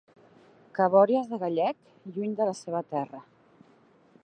Cabòries de gallec lluny de la seva terra.